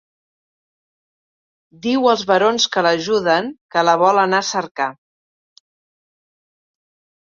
Diu als barons que l’ajuden, que la vol anar a cercar.